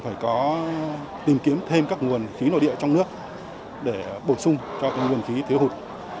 thứ hai là cần phải có tìm kiếm thêm các nguồn khí nội địa trong nước để bổ sung cho các nguồn khí thiếu hụt